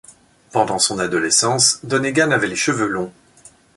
Pendant son adolescence, Donegan avait les cheveux longs.